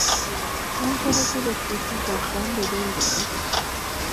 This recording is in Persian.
آنچه را که به شوخی گفتم به دل گرفت.